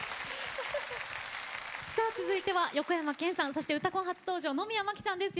さあ続いては横山剣さんそして「うたコン」初登場野宮真貴さんです。